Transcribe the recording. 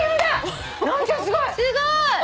すごい！